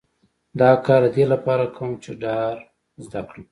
دا کار د دې لپاره کوم چې ډار زده کړم